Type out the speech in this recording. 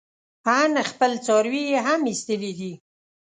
ان خپل څاروي يې هم ايستلي دي.